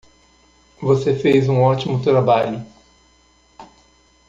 Você fez um ótimo trabalho!